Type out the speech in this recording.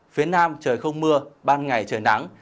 phía nam trời không mưa ban ngày trời nắng